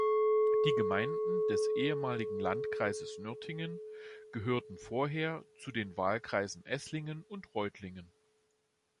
Die Gemeinden des ehemaligen Landkreises Nürtingen gehörten vorher zu den Wahlkreisen Eßlingen und Reutlingen.